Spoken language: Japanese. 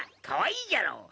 かわいいじゃろ！